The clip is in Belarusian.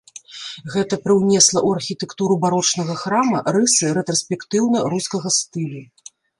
Гэта прыўнесла ў архітэктуру барочнага храма рысы рэтраспектыўна-рускага стылю.